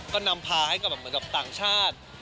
ก็นำพาให้กับต่างชาติ